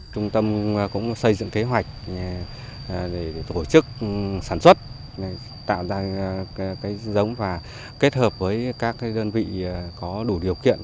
trung tâm cũng xây dựng kế hoạch để tổ chức sản xuất tạo ra cái giống và kết hợp với các đơn vị có đủ điều kiện